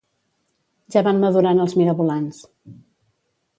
Ja van madurant els mirabolans